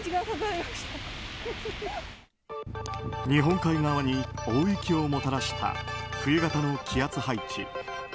日本海側に大雪をもたらした冬型の気圧配置。